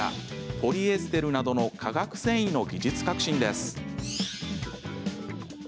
ポリエステルなどの化学繊維の技術革新です。